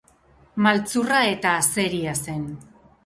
Maltzurra eta azeria zen.